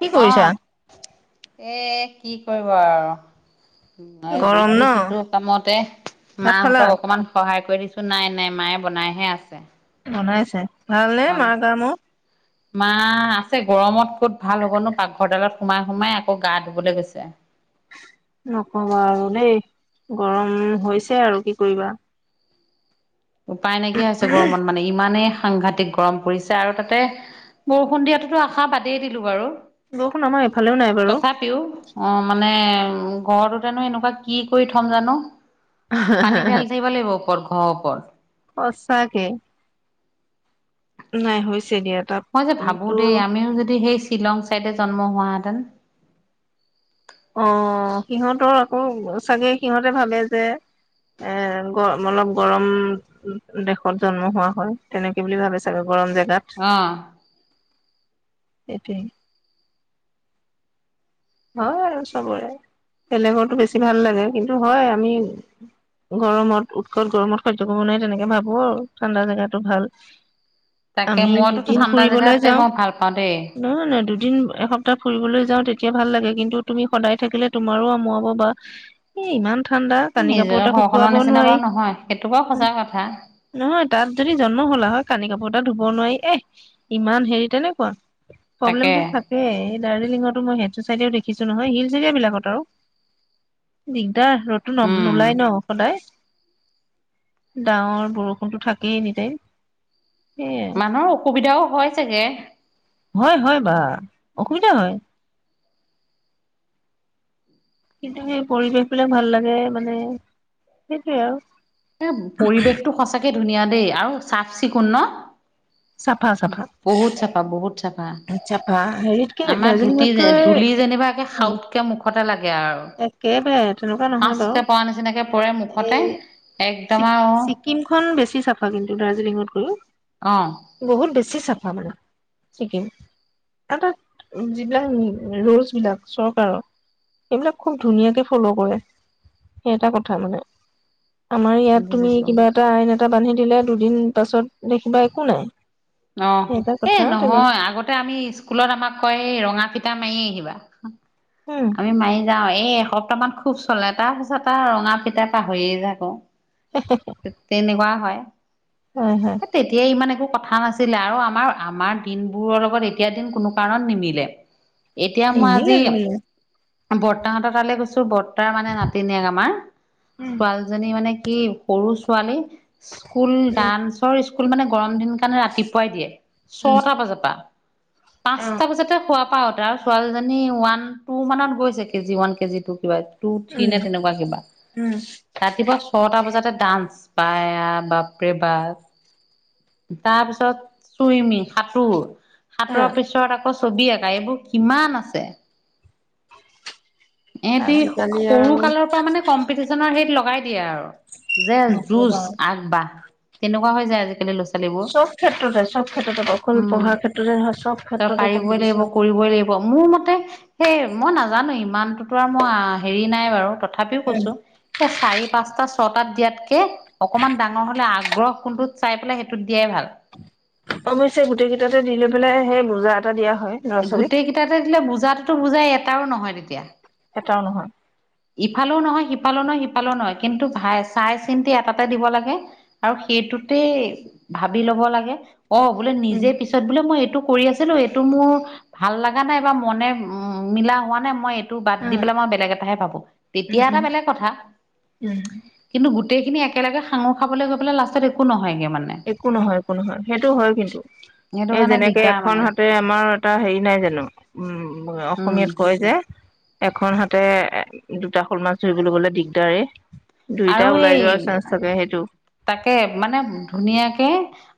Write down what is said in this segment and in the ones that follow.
কি অ কৰিছা? এ কি কৰিব আৰ গৰম ন? ইটো সিটো কামতে ভাত খালা? মাকহঁতক অকমান সহায় কৰি দিছোঁ নাই নাই মায়ে বনাইহে আছে। বনাইছে ভালনে অ', মাৰ গা-মূৰ? মা আছে গৰমত ক'ত ভাল হ'বনো পাকঘৰডালত সোমাই সোমাই আকৌ গা ধুবলে গৈছে। নকবা আৰু দেই গৰম হৈছে আৰু কি কৰিবা। উপায় নাইকিয়া হৈছে গৰমত মানে ইমানেই সাংঘাতিক গৰম পৰিছে আৰু তাতে বৰষুণ দিয়াতোতো আশা বাদেই দিলো বাৰু। বৰষুণ আমাৰ এইফালেও নাই বাৰু। তথাপিও অ মানে ঘৰতেনো এনেকুৱা কি কৰি থম জানো। পানী ঢালি থাকিব লাগিব ওপৰত ঘৰৰ ওপৰত। সঁচাকে। নাই হৈছে দিয়াত। মই যে ভাবো দেই আমিও যদি সেই শ্বিলং চাইডে জন্ম হোৱাহেঁতেন। অ সিহঁতৰ আকৌ চাগে সিহঁতে ভাবে যে এ গৰ অলপ গৰম উ দেশত জন্ম হোৱা হয়, তেনেকে বুলি ভাবে ছাগে গৰম জেগাত। অ। সেইটোৱেই। হয় আৰু চবৰে বেলেগৰতো বেছি ভাল লাগে কিন্তু হয় আমি গৰমত উৎকত গৰমত সহ্য কৰিব নোৱাৰি তেনেকে ভাবো আৰু ঠাণ্ডা জেগাটো ভাল তাকে আমি মইতো দুদিন ঠাণ্ডা ফুৰিবলৈ জেগাতে যাওঁ মই ভাল পাওঁ দেই। নহয় নহয় দুদিন এসপ্তাহ ফুৰিবলৈ যাওঁ তেতি ভাল লাগে কিন্তু তুমি সদায় থাকিলে তোমাৰো আমুৱাব বা এ ইমান ঠাণ্ডা কানি কাপোৰ নিজৰ এটা ঘৰখনৰ শুকুৱাব নিচিনা নোৱাৰি বাৰু নহয় সেইটো বাৰু সঁচা কথা নহয় তাত যদি জন্ম হলা হয় কানি কাপোৰ এটা ধুব নোৱাৰি এহ ইমান হেৰি তেনেকুৱা তাকে প্ৰব্লেমটো তাতে এই দাৰ্জিলিঙতো মই সেইটো চাইডেও দেখিছো নহয় হিলছ এৰিয়া বিলাকত আৰু দিগদাৰ ৰ'দটো ন উম নোলাই ন সদায় ডাৱৰ, বৰষুণতো থাকেই এনিটাইম মানুহৰ অসুবিধাও হয় চাগে হয় হয় বা অসুবিধা হয়। কিন্তু সেই পৰিৱেশ বিলাক ভাল লাগে মানে সেইটোৱে আৰু হে পৰিৱেশটো সঁচাকে ধুনীয়া দেই আৰু চাফ চিকুণ ন চাফা চাফা বহুত চাফা, বহুত চাফা চাফা হেৰিতকে আমাৰ ধুতি যে দাৰ্জিলিঙতকৈ ধূলি যেনিবা আউট কে মুখতে লাগে আৰু একেবাৰে তেনেকুৱা নহয় বাৰু সাঁচকে পৰা নিচিনাকে পৰে এই মুখতে একদম আৱ ছিকিমখন বেছি চাফা কিন্তু দাৰ্জিলিঙতকৈও অ বহুত বেছি চাফা মানে ছিকিম এ তাত যিবিলাক ৰোলচ বিলাক চৰকাৰ সেইবিলাক খুব ধুনীয়াকে ফ'ল' কৰে সেট' কথা মানে আমাৰ ইয়াত তুমি বুজিছো কিবা এটা আইন এটা বান্ধি দিলে দুদিন পাছত দেখিবা একো নাই অ সেই এটা এ কথা তেনে নহয় আগতে আমি স্কুলত আমাক কয় এই ৰঙা ফিটা মাৰি আহিবা, উম আমি মাৰি যাও এই এসপ্তাহ মান খুব চলে তাৰ পিছত আৰু ৰঙা ফিটা পাহৰিয়ে থাকো [unintelligible] তেনেকুৱা হয় হয় হয় এ তেতিয়া ইমান একো কথা নাছি লে আৰু আমাৰ আমাৰ দিনবোৰৰ লগত এতিয়া দিন কোনো কাৰণত নিমিলে এতিয়া মই নিনিলে আজি নিনিলে বৰ্তাহতৰ তালৈ গৈছো বৰ্তাৰ মানে নাতিনীয়েক আমাৰ উম ছোৱালীজনী মানে কি সৰু ছোৱালী স্কুল ডান্সৰ স্কুল মানে গৰম দিনৰ কাৰণে ৰাতিপুৱাই দিয়ে উম উম ছটা বজাপা, পাঁচটা বজাতে শুৱা পা উঠা ছোৱালীজনী ওৱান টু মানত গৈছে কেজি ওৱান, কেজি টু কিবা টু, থ্ৰী উম নে তেনেকুৱা কিবা উম ৰাতিপুৱা ছটা বজাতে ডান্স পায় বাপৰে বা তাৰ পিছত চুইমিং সাঁতোৰ উম সাঁতোৰাৰ পিছ ছত আকৌ ছবি আঁকা এইবোৰ কিমান আছে। এহতি স আজিকালি সৰু আৰু কালৰ পৰা মানে কম ম্পিটিছনত হেৰিত লগাই দিয়ে আৰু যে নকবা যুজ আৰু আগবাঢ় তেনেকুৱা হৈ যায় আজিকালি ল'ৰা-ছো চব ক্ষেত্ৰতে চব ক্ষেত্ৰতে অকল উম পঢ়াৰ ক্ষেত্ৰতে নহয় চব তই ক্ষেত্ৰতে পাৰিবই লাগিব কম্পিটিশন কৰিবই লাগিব মোৰ মতে সেই মই নাজানো ইমানটোতো আৰু মই হেৰি নাই বাৰু তথাপি তথাপিও উম কৈছোঁ এ চাৰি, পাঁচটা, ছটাত দিয়াতকে অকমান ডাঙৰ হ'লে আগ্ৰহ কোনটোত চাই পেলাই সেইটোত দিয়াই ভাল। অৱশ্যে গোটেই কেইটাতে দি লৈ পেলাই সেই বোজা এটা দিয়া হয়। ল'ৰা ছোৱালীক গোটেই কেইটাতে দিলে বুজাতোটো বুজাই এটাও নহয় তেতিয়া। এটাও নহয়। ইফালেও নহয়, সিফালে নহয়, সিফালে নহয় কিন্তু ভাই চাই চিন্তি এটাতে দিব লাগে। আৰু সেইটোতেই ভাবি ল'ব লাগে অ', বোলে উম নিজে পি পিছত বোলে মই এইটো কৰি আছিলোঁ, এইটো মোৰ ভাল লগা নাই বা মনে উ মিলা হোৱা নাই মই টো বাদ দি উম পেলাই মই বেলেগ এটাহে ভাবোঁ, উম তেতিয়া এটা উম বেলেগ কথা। উম কিন্তু গোটেইখিনি একেলগে সাঙুৰ খাবলৈ গৈ লাষ্টত একো নহয়গে মানে। একো নহয়, একো নহয় সেইটো হয় কিন্তু সেইটো এ কাৰণে যেনেকে দিগদাৰ এখন মানে হাতে আমাৰ এটা হেৰি নাই জানো উম, উম অসমীয়াত কয় যে এখন হাতে এ দুটা শ'ল মাছ ধৰিবলৈ গ'লে দিগদাৰে দুইটা আৰু ওলাই যোৱাৰ এই চান চাগে সেইটো। তাকে মানে ধুনীয়াকে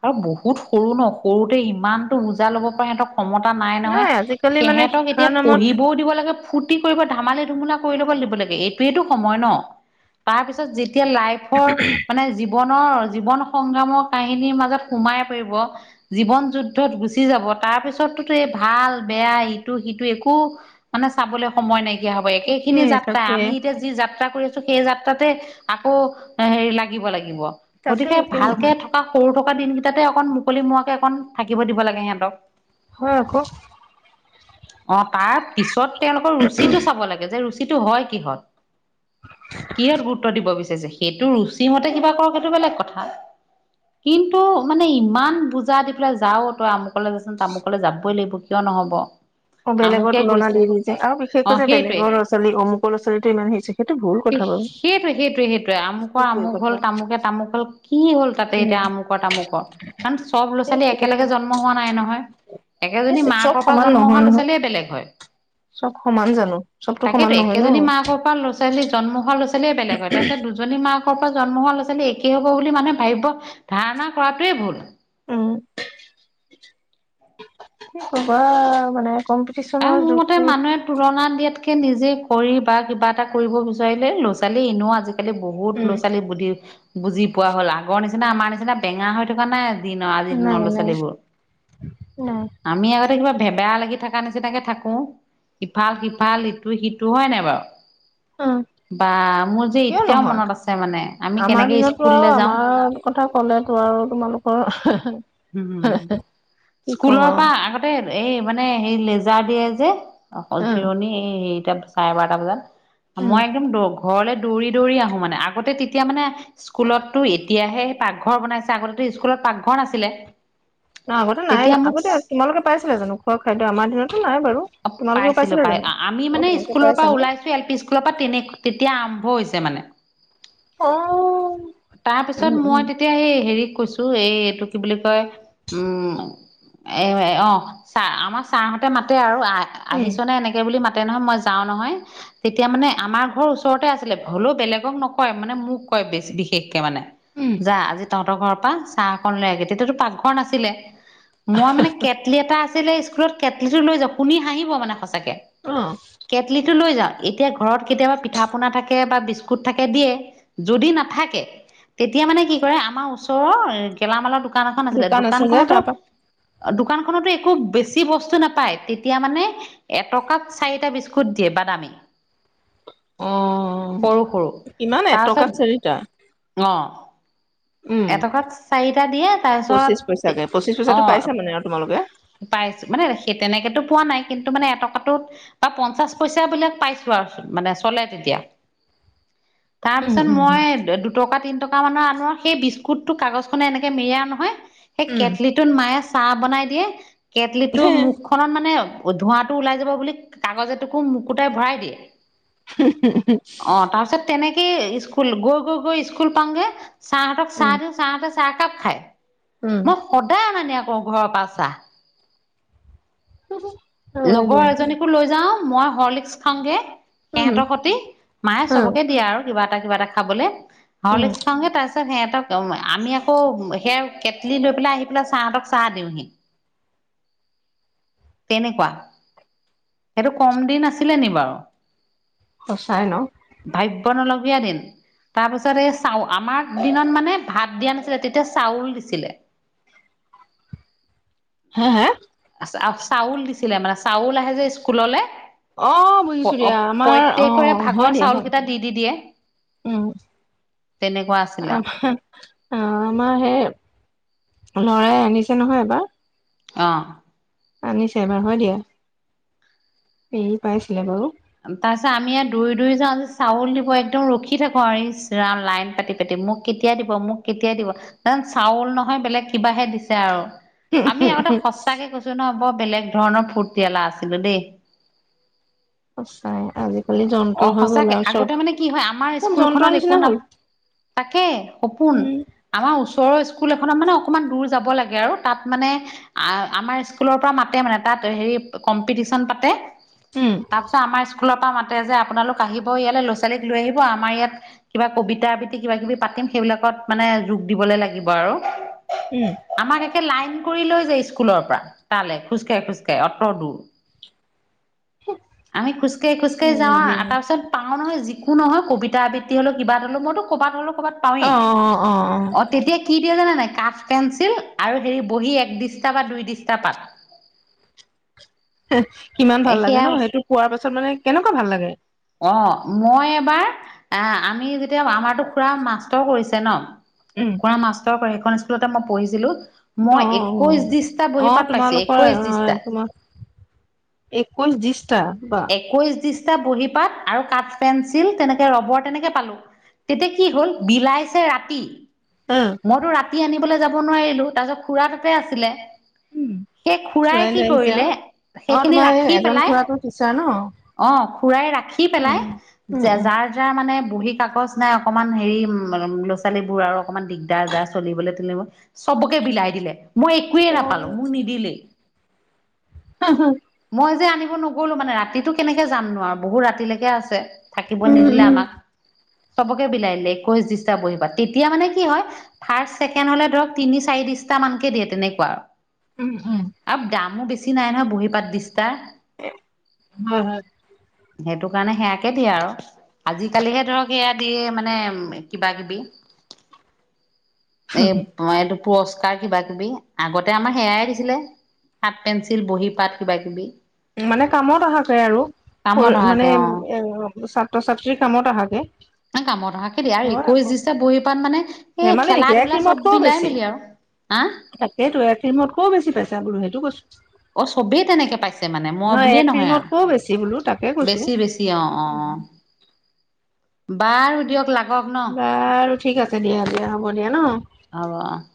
আৰু বহুত সৰু ন সৰুতে ইমানতো বোজা ল'ব পাৰে সিহঁতক ক্ষমতা নাই নহয়, আজিকালি মানে সিহঁতক শিক্ষাৰ এতিয়া নামত পঢ়িবও দিব লাগে। ফূতি কৰিব ধমালি ধুমলা কৰি ল'ব লাগিব লাগে এইটোৱেইটো সময় ন। তাৰপিছত যেতিয়া লাইফৰ মানে জীৱনৰ-জীৱন সংগ্ৰামৰ কাহিনীৰ মাজত সোমাই পৰিব। জীৱন যুদ্ধত গুচি যাব তাৰপিছততো এই ভাল বেয়া ইটো সিটো একো মানে চাবলৈ সময় নাইকিয়া হ'ব, একে তাকে খিনি যাত্ৰা তাকে আমি এতিয়া যি যাত্ৰা কৰি আছোঁ, সেই যাত্ৰাতে আকৌ হেৰি লাগিব, লাগিব। তাকে গতিকে কিয় ভালকে নহয় থকা সৰু থকা দিনকেইটাতে অকণ মুকলি মোৱাকে অকণ থাকিব দিব লাগে সিহঁতক। হয় আকৌ। অ', তাৰ পিছত তেওঁলোকৰ ৰুচিটো চাব লাগে যে ৰুচি সেইটো হয় কিহত, কিহত গুৰুত্ব দিব বিচাৰিছে সেইটো ৰুচি মতে তে কিবা কৰক সেইটো বেলেগ কথা কিন্তু মানে ইমান বুজা দি পেলাই যাও, তই আমুকলৈ যাচোন তই আমুকলৈ যাবই লাগিব। কিয় নহ'ব। অ', বেলেগৰ আমুকে তুলনা গৈছে দি দিছে আৰু অ বিশেষকৈ বেলেগৰ ল'ছালী অমুক লছালী টো ইমান হৈছে। সেইটো ভুল কথা বাৰু সেইটো, সেইটো, সেইটো সেইটো আমুকৰ ভুল আমুক। কথা হ'ল তামুকে তামুক হ'ল কি হ'ল তাতে উম এতিয়া আমুকৰ তামুকৰ কাৰণ চব ল'ৰা ছোৱালী সেইটোৱেটো একেলগে জন্ম হোৱা নাই নহয়, একেজনী সেইটোৱে চব মাকৰ পৰা সমান জন্ম নহয় হোৱা ল'ৰা নহয় ছোৱালীয়ে বেলেগ হয়। চব সমান জানো চবতো সমান নহয় ন। আজি কালি জন্ম হোৱা‌ লছালী বেলেগৰ হয় তেন্তে দুজনী মাকৰ পৰা জন্ম হোৱা ল'ৰা ছোৱালী একেই হ'ব বুলি মানে ভাবিব ধাৰণা কৰাটোৱে ভুল। উম। কি কবা মানে কম আৰু মোৰ মতে মানুহে তুলনা দিয়াতকে নিজে কৰি বা কিবা এটা কৰিব বিচাৰিলে ল'ৰা ছোৱালী এনেও আজিকালি আজিকালি বহুত উম ল'ৰা ছোৱালী বুজি পোৱা হ'ল আগৰ নিচিনা আমাৰ নিচিনা বেঙা হৈ থকা নাই। নৰ আজিৰ নাই দিনৰ ল'ৰা নাই লছালীবোৰ নাই আমি আগতে কিবা ভেবেয়া লাগি থাকে। নিচিনাকে থাকো ইফাল সিফাল ইটো সিটো হয় নাই বাৰু। অ বা মোৰ যে কিয় এতিয়াও নহয় মনত আছে মানে আমি আমাৰ কেনেকে দিনতো আৰু স্কুললৈ যাওঁ। আমাৰ কথা ক'লে তো আৰু তোমালোকৰ উম হম কি ক'ম স্কুলৰ আৰু পৰা আহা তাতে এই মানে হে লেজাৰ দিয়ে যে অকল উম চিৰণি এই হেটা চাৰে বাৰটা বজাত উম মই একদম দৌ ঘৰলে দৌৰি দৌৰি আহো মানে আগতে তেতিয়া মানে স্কুলতো এতিয়াহে পাকঘৰ বনাইছে আগতে স্কুলত পাকঘৰ নাছিলে। নহ আগতে নাই তেতিয়া নাই মোক আগতে তোমালোকে পাইছিলা জানো খোৱা খাদ্য আমাৰ দিনতো নাই বাৰু। তোমালোকে পাইছিলো পাইছিলা পাই জানো আমি অ মানে তোমালোকে স্কুলৰ পাইছা পৰা নে! ওলাইছো এল পি স্কুলৰ পৰা তেনে তেতিয়া আৰম্ভ হৈছে মানে। অ তাৰপিছত মই তেতিয়া এই হেৰি কৈছো এই এইটো কি বুলি কয় উম এ অ চা আমাৰ ছাৰহঁতে মাতে আৰু উম আহিছনে এনেকে বুলি মাতে নহয় মই যাওঁ নহয় তেতিয়া মানে আমাৰ ঘৰ ওচৰতে আছিলে হলেও বেলেগক নকয় মানে মোক কয় বেছি বিশেষকে মানে উম যা আজি তহঁতৰ ঘৰৰ পৰা চাহকন লৈ আহগে তেতিয়াতো পাকঘৰ নাছিলে। মই মানে কেটলি এটা আছিলে স্কুলত কেটলিটো লৈ যাওঁ শুনি হাঁহিব মানে সচাকে। অ'। কেটলিটো লৈ যাওঁ এতিয়া ঘৰত কেতিয়াবা পিঠা পনা থাকে বা বিস্ থাকে দিয়ে যদি নাথাকে তেতিয়া মানে কি কৰে আমাৰ ওচৰৰ গেলামালৰ দোকান এখন আছিলে দোকান আছে যে দোকানখনতো তাৰপা দোকানখনতো একো বেছি বস্তু নাপায় তেতিয়া মানে এটকাত চাৰিটা বিস্কুট দিয়ে বাদামী [inaudible] অ', সৰু সৰু কিমান তাৰপিছত এটকাত চাৰিটা? অ উম এটকাত চাৰিটা দিয়ে তাত পঁচিশ পইচাকে পঁচিছ পইচাটো পাইছা মানে আৰু তোমালোকে? পাইছো মানে সেই তেনেকেতটো পোৱা নাই কিন্তু মানে এটকাটোত বা পঞ্চাশ পইচা বিলাক পাইছো আৰু মানে চলে তেতিয়া। [inaudible] তাৰ পিছত উম মই দুটকা তিন টকা মানৰ আনো সেই বিস্কুট টো কাগজ খনে এনেকে মেৰিয় আনো উম কেটলীটো মায়ে চাহ বনাই দিয়ে কেটলীটো হে খত মানে ধোঁৱাটো ওলাই যাব বুলি কাগজ এটোকো মুকুটাই ভৰাই দিয়ে। অ', তাৰপিছত তেনেকে স্কুল গৈ গৈ গৈ স্কুল পাওঁগে। চাৰহতক উম চাহ দিওঁ চাৰহহতে চাহ কাপ খায় উম মই সদায় অনা নিয়া কৰো ঘৰৰ পৰা চাহ। উম। লগৰ এজনীকো লৈ যাওঁ মই হৰ্লিক্স খাওঁগে উম সিহঁতৰ সতি মায়ে উম চবকে দিয়া আৰু কিবা এটা কিবা এটা খাবলৈ উম হৰলিক্স খাওঁগে তাৰ সিহঁতক আমি আকৌ সেই কেটলি লৈ পেলাই আহি পেলাই চাহঁতক চাহ দিওঁহি। বা সেইটো কম দিন আছিলে নি বাৰু? সঁচাই ন। ভাবিব নলগীয়া দিন। তাৰপিছত এই চাউ আমাৰ দিনত মানে ভাত দিয়া নাছিলে তেতিয়া চাউল দিছিলে হে হা? চাউল দিছিলে মানে চাউল আহে যে স্কুললৈ অ বুজিছো দিয়া আমাৰ অ প্ৰইতেকৰে হয় ভাগৰ দিয়া চাউল হয় কেইটা দি দি দিয়ে। তেনেকুৱা আছিলে আ অ আমাৰ সেই লৰাই আনিছে নহয় এবাৰ। অ, আনিছে এবাৰ হয় দিয়া। পেৰি পাইছিলে বাৰু তাৰ পিছত আমি ই দৌৰি দৌৰি যাওঁ যে চাউল দিব একদম ৰখি থাকো আৰু লাইন পাতি পাতি মোক কেতিয়াই দিব মোক কেতিয়াাই দিব চাউল নহয় বেলেগ কিবাহে দিছে আৰু আমি আগতে সঁচাকে কৈছো ন বৰ বেলেগ ধৰণৰ ফূৰ্তিয়ালা আছিলো দেই। সঁচাই আজি, অ সঁচাকে আগতে মানে কি হয় আমাৰ চব যন্ত্ৰৰ স্কুলখনত একো নিচিনা নাপ হ'ল তাকে সপোন। উম আমাৰ ওচৰৰ স্কুল এখনত মানে অকমান দূৰ যাব লাগে আৰু তাত মানে আ আমাৰ স্কুলৰ পৰা মাতে মানে তাত হেৰি কম্পিটিশন পাতে। উম। তাৰপিছত আমাৰ স্কুলৰ পৰা মাতে যে আপোনালোক আহিব ইয়াল ল'ৰা ছোৱালীক লৈ আহিব আমাৰ ইয়াত কিবা কবিতা আবৃত্তি কিবা কিবি পাতিম সেইবিলাকত মানে যোগ দিবলে লাগিব আৰু উম, আমাক একে লাইন কৰি লৈ যায় স্কুলৰ পৰা তালে খোজকাঢ়ি খোজকাঢ়ি অত দূৰ। [unintelligible] আমি খোজকাঢ়ি খোজকাঢ়ি যাওঁ আৰু উম তাৰ পাছত, পাওঁ নহয় যিকো নহয় কবিতা আবৃত্তি হলো কিবা হলও মইতো কবাত হলো কবাত অ পাৱেই, অ অ অ তেতিয়া কি দিয়ে জানা নাই কাঠ পেঞ্চিল আৰু হেৰি বহী এক ডিষ্টা বা দুই ডিষ্টা পাত। কিমান ভাল লাগে সেয়া ন সেইটো কোৱাৰ পাছত মানে কেনেকুৱা ভাল লাগে। অঁ মই এবাৰ। এ আমি যেতিয়া আমাৰো খুৰা মাষ্টাৰ কৰিছে ন। উম খুৰা মাষ্টৰ কৰে সেইখন স্কুলতে মই পঢ়িছিলো। অ মই অ একৈশ দিশটা অ বহি পাত পাইছো তোমালোকৰ একৈশ আহ দিশটা। তোমাৰ একৈশ ডিছটা বা, একৈশ দিশটা বহী পাত আৰু কাঠ পেঞ্চিল তেনেকে ৰবৰ তেনেকে পালো। তেতিয়া কি হল বিলাইছে ৰাতি। উম মইতো ৰাতি আনিবলৈ যাব নোৱাৰিলো তাৰপিছত খুৰাৰ তাতে আছিলে। সেই খুৰাই কি লৈ আহিছা কৰিলে সেইখিনি ৰাখি পেলাই, পইচা ন, অ খুৰাই ৰাখি পেলাই উম উম উম যাৰ, তাৰ মানে বঢ়ী কাগজ নাই অকনমান হেৰি উম ল'ৰা ছোৱালীবোৰ আৰু অকনমান দিগদাৰ যাৰ চলিবলৈ থলিবলৈ। চবকে বিলাই দিলে মই একোৱে নাপালো মোক নিদিলেই। [unintelligible] মই যে আনিব নগ'লো মানে ৰাতিটো কেনেকে যামনো আৰু বহুত ৰাতিলৈকে আছে। থাকিব নিদিলে আমাক চবকে বিলাই দিলে একৈশ দিশটা বহিপাট তেতিয়া মানে কি হয়। ফাৰ্ষ্ট ছেকেণ্ড হলে ধৰক তিনি চাৰি দিশটা মানকে দিয়ে তেনেকুৱা আৰু উম উম, আৰু দামো বেছি নাই নহয় বহী পাত দিছটাৰ। হয় হয়। সেইটো কাৰণে সেয়াকে দিয়ে আৰু আজিকালিহে ধৰক সেয়া দিয়ে মানে কিবা কিবি। [inaudible] [unintelligible] তোমাৰ এইটো পুৰস্কাৰ কিবা কিবি আগতে আমাৰ সেয়াই দিছিলে কাঠ পেঞ্চিল বহী পাত। কিবা কিবি। মানে কামত অহাকে আৰু কামত মানে। অহাকে অ [unintelligible] ছাত্ৰ ছাত্ৰীৰ কামত আহাকে। কামত আহাকে দিয়া আৰু হয় আকৌ একৈশ দিছটা বহীৰ পাট মানে এই ধেমালি খেলা নেকি এক ধূলা চব ক্ৰীমতকৈও মিলাই বেছি মিলি আৰু। আ তাকেইতো এৰিমতকেও বেছি পাইছা বুলো সেইটো কৈছোঁ। অ চবেই তেনেকে পাইছ মানে মই বুলিয়ে এক নহয় ক্ৰীমতকৈও বেছি বোলো তাকে [unintelligible] কৈছো বেছি, বেছি অ, অ, অ। বাৰু দিয়ক লাগক নহ। বাৰু ঠিক আছে দিয়া, দিয়া হ'ব দিয়া নহ। হ'ব।